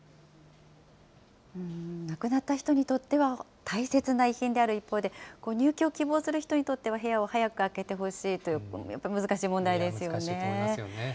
亡くなった人にとっては大切な遺品である一方で、入居を希望する人にとっては部屋を早く空けてほしいという、やっ難しいと思いますよね。